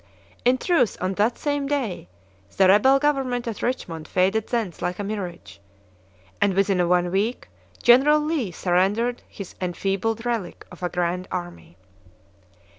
In truth, on that same day, the rebel government at Richmond faded thence like a mirage, and, within one week, General Lee surrendered his enfeebled relic of a grand army.